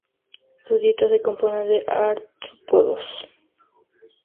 Su dieta se compone de artrópodos.